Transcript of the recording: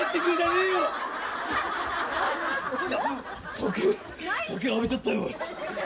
酒酒浴びちゃったよ。